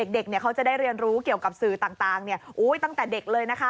เด็กเขาจะได้เรียนรู้เกี่ยวกับสื่อต่างตั้งแต่เด็กเลยนะคะ